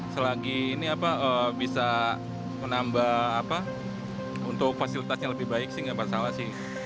selagi ini bisa menambah untuk fasilitasnya lebih baik tidak ada masalah